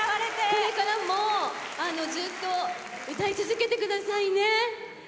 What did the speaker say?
これからもずっと歌い続けてくださいね。